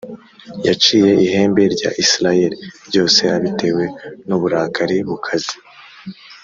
Yaciye ihembe rya Isirayeli ryose abitewe n’uburakari bukaze,